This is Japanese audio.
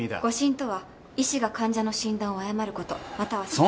誤診とは医師が患者の診断を誤ることまたは。